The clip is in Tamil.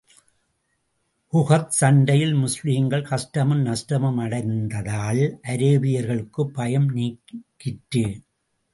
உஹத் சண்டையில் முஸ்லிம்கள் கஷ்டமும், நஷ்டமும் அடைந்ததால், அரேபியர்களுக்குப் பயம் நீங்கிற்று.